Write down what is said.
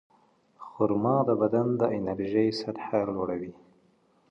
خرما د بدن د انرژۍ سطحه لوړوي.